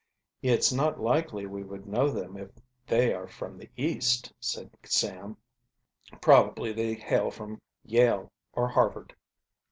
"It's not likely we would know them if they are from the East," said Sam. "Probably they hail from Yale or Harvard."